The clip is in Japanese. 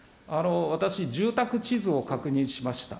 私、住宅地図を確認しました。